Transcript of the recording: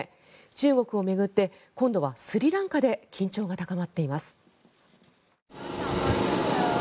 中国を巡って今度はスリランカで緊張が高まっています。